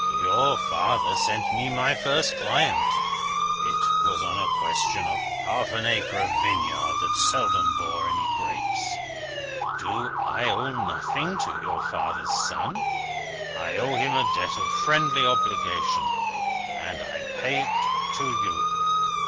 Your father sent me my first client. (It was on a question of half an acre of vineyard that seldom bore any grapes.) Do I owe nothing to your father's son? I owe him a debt of friendly obligation, and I pay it to you.